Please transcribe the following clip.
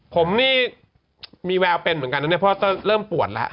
ผมนี่มีแววเป็นเหมือนกันนะเนี่ยเพราะเริ่มปวดแล้ว